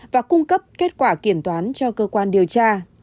và cung cấp kết quả kiểm toán cho cơ quan điều tra